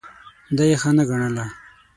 دا یې ښه نه ګڼله.